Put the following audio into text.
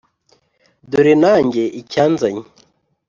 dore nanjye icyanzanye